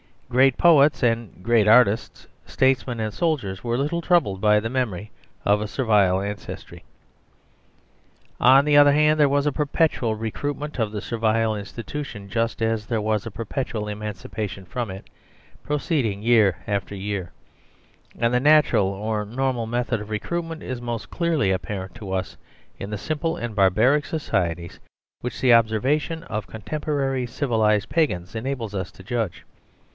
Great poets and great artists, statesmen and soldiers were little troubled by the memory of a servile ancestry. On the other hand, there was a perpetual recruit ment of the Servile Institutionjust as there wasa per petual emancipation from it, proceeding year after year ; and the natural or normal method of recruit ment is most clearly apparent to us in the simple and barbaric societies which the observation of contem porary civilised Pagans enables us to judge.